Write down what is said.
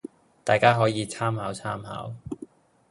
大家可以參考參考